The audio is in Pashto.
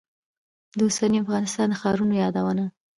د اوسني افغانستان د ښارونو یادونه.